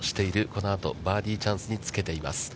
このあとバーディーチャンスにつけています。